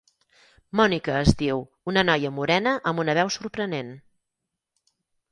Mònica es diu, una noia morena amb una veu sorprenent.